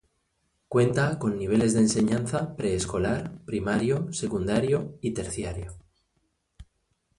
Cuenta con niveles de enseñanza Pre-Escolar, Primario, Secundario y Terciario.